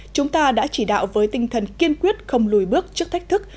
chúng ta đã chỉ đạo với tinh thần kiên quyết không lùi bước trước thách thức